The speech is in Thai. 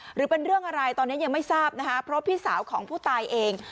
หรือเป็นเรื่องอะไรตอนนี้ยังไม่ทราบนะคะเพราะพี่สาวของผู้ตายเอง